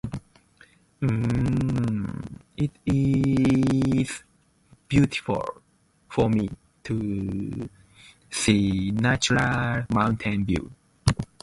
Similarly, some employers offer financial assistance to pay for the training for their employees.